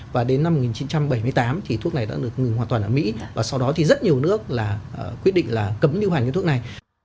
và đến năm một nghìn chín trăm bảy mươi tám thì thuốc này đã được ngừng hoàn toàn ở mỹ và sau đó thì rất nhiều nước là quyết định là cấm lưu hành cái thuốc này